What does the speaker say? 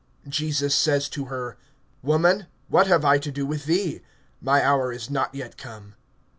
(4)Jesus says to her: Woman, what have I to do with thee? My hour is not yet come.